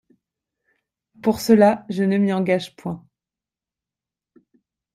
Pour cela, je ne m'y engage point.